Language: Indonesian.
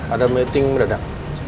ada meeting gedakan